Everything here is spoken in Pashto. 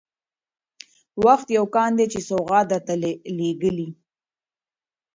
وخت يو كان دى چا سوغات درته لېږلى